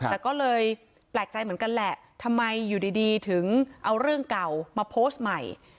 แต่ก็เลยแปลกใจเหมือนกันแหละทำไมอยู่ดีถึงเอาเรื่องเก่ามาโพสต์ใหม่